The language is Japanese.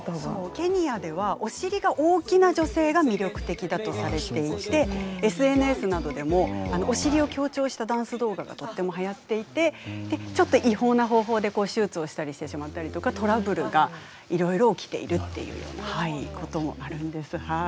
ケニアではお尻が大きな女性が魅力的だとされていてＳＮＳなどでもお尻を強調したダンス動画がとってもはやっていてちょっと違法な方法で手術をしたりしてしまったりとかトラブルがいろいろ起きているっていうようなこともあるんですはい。